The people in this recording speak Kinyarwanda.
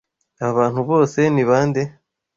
Aba bantu bose ni bande?